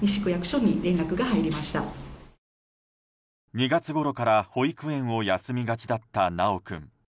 ２月ごろから保育園を休みがちだった修君。